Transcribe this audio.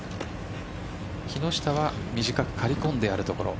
木下は短く刈り込んであるところ。